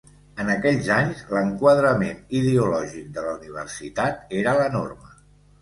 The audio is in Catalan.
En aquells anys l'enquadrament ideològic de la Universitat era la norma.